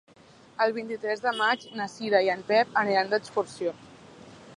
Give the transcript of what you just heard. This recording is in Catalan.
El vint-i-tres de maig na Cira i en Pep aniran d'excursió.